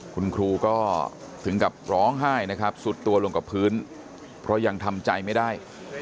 คุณครูก็ถึงกับร้องไห้นะครับสุดตัวลงกับพื้นเพราะยังทำใจไม่ได้